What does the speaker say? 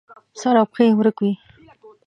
سر او پښې یې ورک وي.